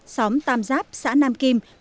xóm tàm giáp xã nam kim